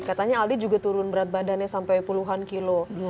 katanya aldi juga turun berat badannya sampai puluhan kilo